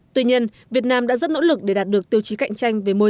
tuy nhiên việt nam đã rất nỗ lực để đạt được tiêu chí cạnh tranh